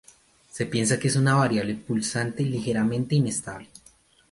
Se piensa que es una variable pulsante ligeramente inestable.